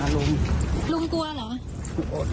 ลุงกลัวเหรอ